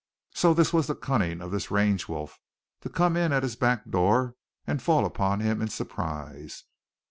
So, this was the cunning of this range wolf, to come in at his back door and fall upon him in surprise!